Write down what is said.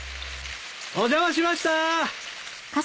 お邪魔しました。